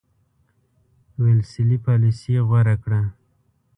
ویلسلي پالیسي غوره کړه.